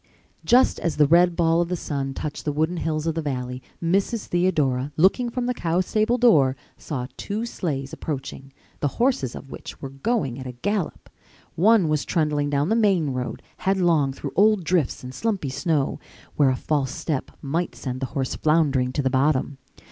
Just as the red ball of the sun touched the wooded hills of the valley, Mrs. Theodora, looking from the cowstable door, saw two sleighs approaching, the horses of which were going at a gallop. One was trundling down the main road, headlong through old drifts and slumpy snow, where a false step might send the horse floundering to the bottom.